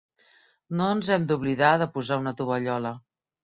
No ens hem d'oblidar de posar una tovallola.